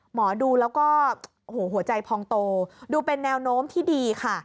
หมอดูแล้วก็หัวใจพองโตดูเป็นแนวโน้มที่ดีค่ะ